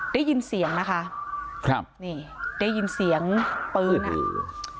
ได้ยินเสียงนะคะครับนี่ได้ยินเสียงปืนอ่ะ